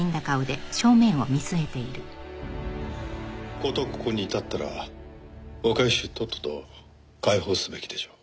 事ここに至ったら若い衆とっとと解放すべきでしょう。